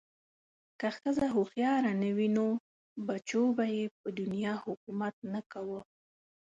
که ښځه هوښیاره نه وی نو بچو به ېې په دنیا حکومت نه کوه